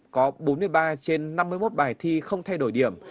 có bốn mươi ba trên năm mươi một bài thi không thay đổi điểm